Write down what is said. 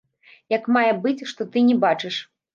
Як мае быць, што ты не бачыш?